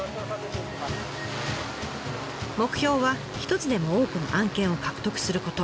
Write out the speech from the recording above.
目標は一つでも多くの案件を獲得すること。